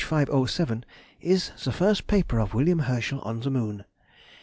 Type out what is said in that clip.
507, is the first paper of William Herschel on the Moon.